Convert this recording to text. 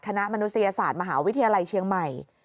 มนุษยศาสตร์มหาวิทยาลัยเชียงใหม่